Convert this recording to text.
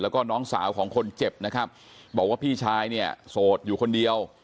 แล้วก็น้องสาวของคนเจ็บนะครับบอกว่าพี่ชายเนี่ยโสดอยู่คนเดียว